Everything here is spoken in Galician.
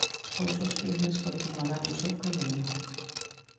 Despois os filmes continuarán o seu camiño.